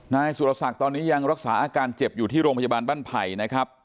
นายสุรศักดิ์ตอนนี้ยังรักษาอาการเจ็บอยู่ที่โรงพยาบาลบ้านไผ่นะครับ